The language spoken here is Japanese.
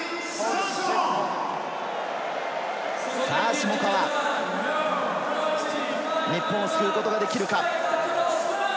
下川、日本を救うことができるか。